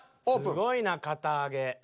すごいな堅あげ。